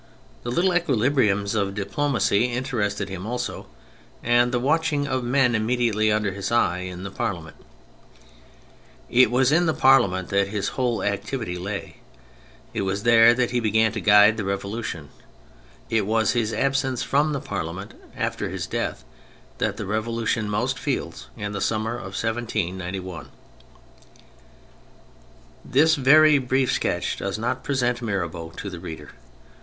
The little equili briums of diplomacy interested him also, and the watching of men immediately under his eye in the Parliament. It was in the Parliament that his whole activity lay, it was there that he began to guide the Revolution, it was his absence from the Parliament after his death that the Revolu tion most feels in the summer of 1791. This very brief sketch does not present Mirabeau to the reader.